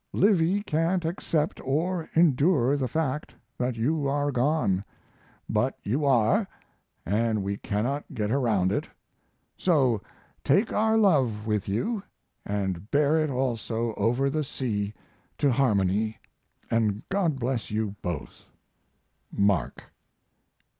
Livy can't accept or endure the fact that you are gone. But you are, and we cannot get around it. So take our love with you, and bear it also over the sea to Harmony, and God bless you both. MARK.